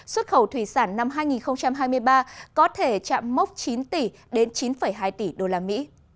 xuất khẩu thủy sản năm hai nghìn hai mươi ba có thể chạm mốc chín tỷ đến chín hai tỷ usd